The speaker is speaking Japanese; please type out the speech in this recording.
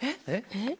えっ？